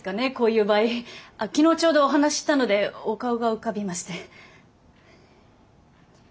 昨日ちょうどお話ししたのでお顔が浮かびまして。